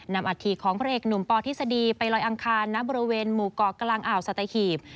นำอัดทีของพระเอกหนุ่มปทฤษฎีไปลอยอังคารณบริเวณหมู่กกอสัตยาหีบ